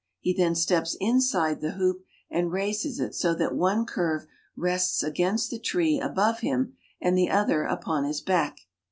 He then steps inside the ^^'^^^j^^ hoop and raises it so that one curve rests against the tree above SiM him and the other m j^i^^^ upon his back.